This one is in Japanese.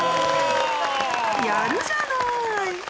やるじゃない！